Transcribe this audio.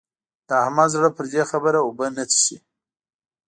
د احمد زړه پر دې خبره اوبه نه څښي.